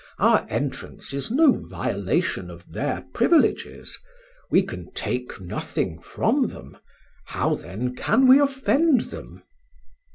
Our entrance is no violation of their privileges: we can take nothing from them; how, then, can we offend them?"